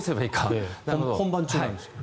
本番中なんですけど。